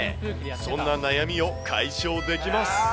そんな悩みを解消できます。